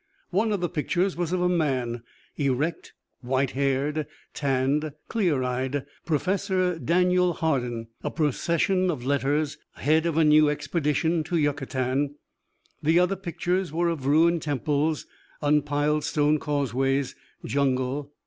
One of the pictures was of a man erect, white haired, tanned, clear eyed Professor Daniel Hardin a procession of letters head of the new expedition to Yucatan. The other pictures were of ruined temples, unpiled stone causeways, jungle.